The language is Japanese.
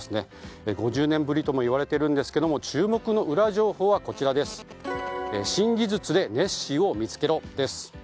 ５０年ぶりともいわれているんですが注目のウラ情報が新技術でネッシーを見つけろです。